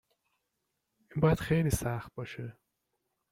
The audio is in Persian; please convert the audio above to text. این باید خیلی سخت باشه